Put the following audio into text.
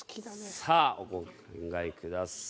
さあお答えください。